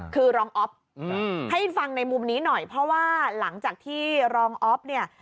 คือรองอ๊อฟให้ฟังในมุมนี้หน่อยเพราะว่าหลังจากที่รองอ๊อฟเนี่ย